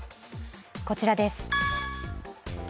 こちらです。